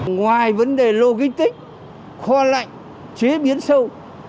ngoài vấn đề logistic kho lạnh chế biến sâu